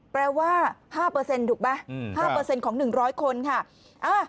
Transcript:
แปลว่า๕เปอร์เซ็นต์ถูกไหม๕เปอร์เซ็นต์ของ๑๐๐คนค่ะ